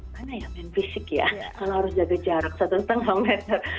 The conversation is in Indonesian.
mana ya main fisik ya kalau harus jaga jarak satu lima meter